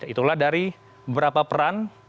itulah dari beberapa peran